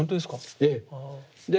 ええ。